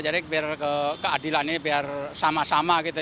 biar keadilan ini biar sama sama gitu